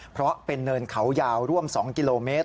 เพราะเป็นเนินเขายาวร่วม๒กิโลเมตร